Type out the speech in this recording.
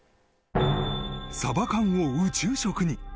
サバ缶を宇宙食に。